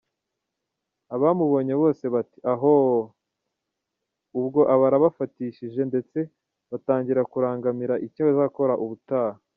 Abamubonye bose bati ahooo! Ubwo aba arabafatishije ndetse batangira kurangamira icyo azakora ubutaha.